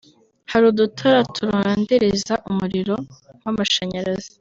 hari udutara turondereza umuriro w’amashanyarazi